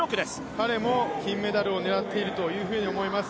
彼も金メダルを狙っていると思います。